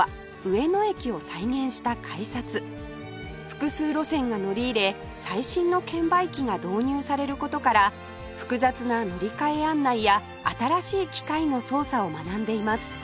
複数路線が乗り入れ最新の券売機が導入される事から複雑な乗り換え案内や新しい機械の操作を学んでいます